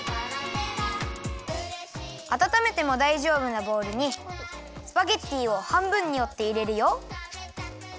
あたためてもだいじょうぶなボウルにスパゲッティをはんぶんにおっていれるよ。